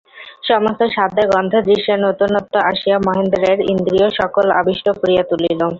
সমস্ত স্বাদে গন্ধে দৃশ্যে নূতনত্ব আসিয়া মহেন্দ্রের ইন্দ্রিয়-সকল আবিষ্ট করিয়া তুলিল।